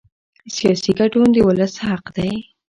سیاسي ګډون د ولس حق دی